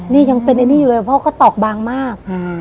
นี่ยังเป็นไอ้นี่อยู่เลยเพราะเขาตอกบางมาก